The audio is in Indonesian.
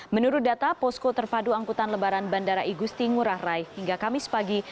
menurut data posko terpadu angkutan lebaran bandara igusti ngurah rai hingga kamis pagi